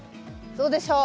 どうでしょう？